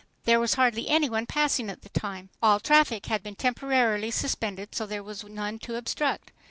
There was hardly any one passing at the time; all traffic had been temporarily suspended, so there was none to obstruct.